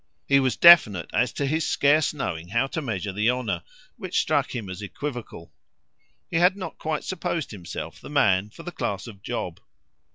He was definite as to his scarce knowing how to measure the honour, which struck him as equivocal; he hadn't quite supposed himself the man for the class of job.